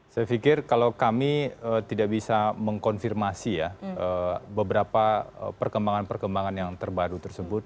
saya pikir kalau kami tidak bisa mengkonfirmasi ya beberapa perkembangan perkembangan yang terbaru tersebut